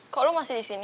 kok lo masih disini